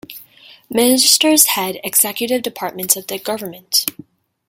Ministers head executive departments of the government.